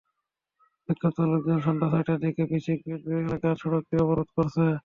বিক্ষুব্ধ লোকজন সন্ধ্যা ছয়টার দিকে বিসিক শিল্প এলাকার সড়কটি অবরোধ করে।